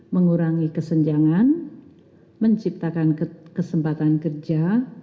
mengurangi kesenjangan menciptakan kesempatan kerja